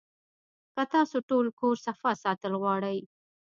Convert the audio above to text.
کۀ تاسو ټول کور صفا ساتل غواړئ